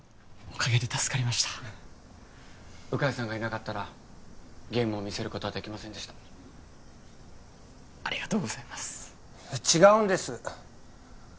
おかげで助かりました鵜飼さんがいなかったらゲームを見せることはできませんでしたありがとうございます違うんです